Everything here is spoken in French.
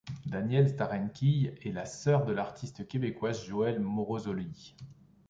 Danièle Starenkyj est la sœur de l'artiste québécoise Joëlle Morosoli.